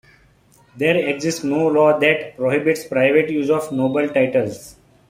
There exists no law that prohibits private use of noble titles.